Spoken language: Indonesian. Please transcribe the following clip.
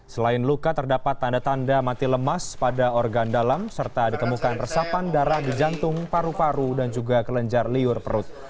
selain luka terdapat tanda tanda mati lemas pada organ dalam serta ditemukan resapan darah di jantung paru paru dan juga kelenjar liur perut